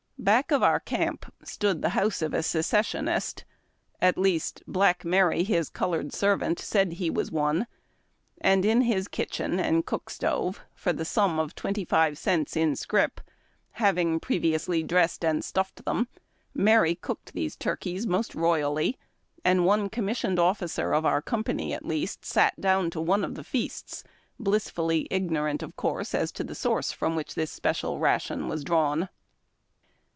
Back of our camp stood the house of a secessionist, — at least, " Black Mary," his colored servant, said he was one, — and in his kitchen and cook stove, for the sum of twenty five cents in scrip, having })reviously dressed and stuffed them, Mary cooked the turkeys most royally, and one com 246 HARD TACK AND COFFEE. NO .KIKE. missioned officer of our company, at least, sat down to one of the feasts, blissfully ignorant, of course, as to the source from which the special ration was drawn.